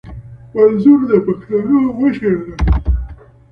منظور د پښتنو مشر دي